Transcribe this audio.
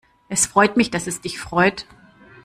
Es freut mich, dass es dich freut.